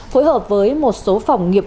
phối hợp với một số phòng nghiệp